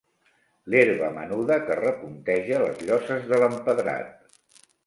L'herba menuda que repunteja les lloses de l'empedrat.